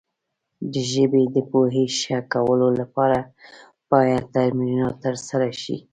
د ژبې د پوهې ښه کولو لپاره باید تمرینات ترسره شي.